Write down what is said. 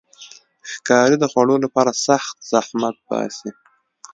ښکاري د خوړو لپاره سخت زحمت باسي.